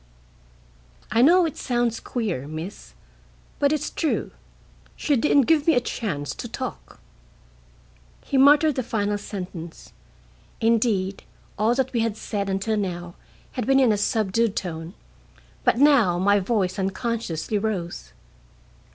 "I know it sounds queer, Miss, but it's true. She didn't give me a chance to talk." He muttered the final sentence. Indeed, all that we had said until now had been in a subdued tone, but now my voice unconsciously rose.